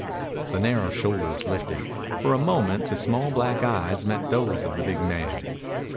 The narrow shoulders lifted. For a moment the small black eyes met those of the big man.